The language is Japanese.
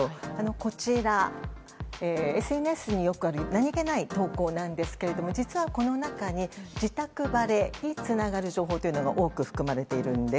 こちら、ＳＮＳによくある何気ない投稿なんですけれども実はこの中に自宅バレにつながる情報というのが多く含まれているんです。